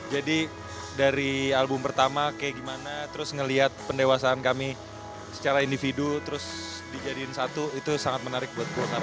jadi dari album pertama kayak gimana terus ngelihat pendewasaan kami secara individu terus dijadiin satu itu sangat menarik buat gue sekarang